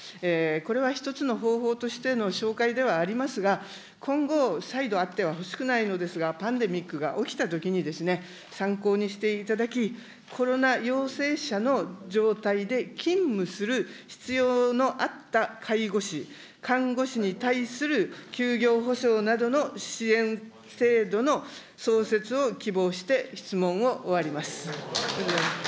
これは一つの方法としての紹介ではありますが、今後、再度あってはほしくないのですが、パンデミックが起きたときに参考にしていただき、コロナ陽性者の状態で勤務する必要のあった介護士、看護師に対する休業補償などの支援制度の創設を希望して質問を終わります。